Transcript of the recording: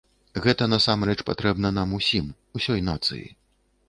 Гэта насамрэч патрэбна нам усім, усёй нацыі.